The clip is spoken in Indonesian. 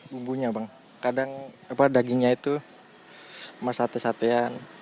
bumbunya bang kadang dagingnya itu mas sate satean